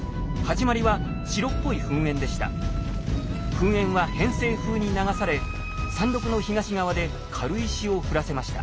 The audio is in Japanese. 噴煙は偏西風に流され山麓の東側で軽石を降らせました。